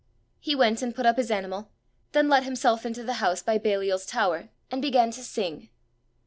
He went and put up his animal, then let himself into the house by Baliol's tower, and began to sing.